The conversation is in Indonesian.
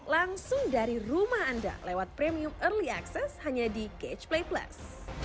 langsung dari rumah anda lewat premium early access hanya di catch play plus